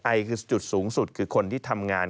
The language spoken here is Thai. ไอคือจุดสูงสุดคือคนที่ทำงาน